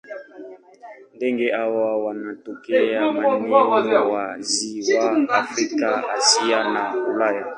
Ndege hawa wanatokea maeneo wazi wa Afrika, Asia na Ulaya.